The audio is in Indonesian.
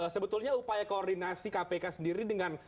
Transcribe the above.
sebetulnya upaya koordinasi kpk sendiri dengan